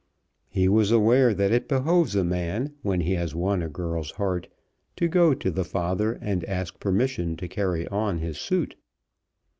He was aware that it behoves a man when he has won a girl's heart to go to the father and ask permission to carry on his suit.